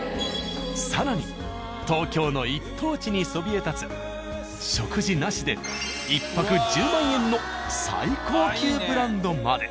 更に東京の一等地にそびえ立つ食事なしで１泊１０万円の最高級ブランドまで。